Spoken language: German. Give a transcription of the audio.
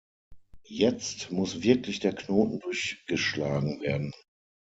Jetzt muss wirklich der Knoten durchgeschlagen werden!